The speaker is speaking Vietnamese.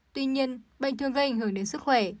tuy nhiên bệnh thường gây ảnh hưởng đến sức khỏe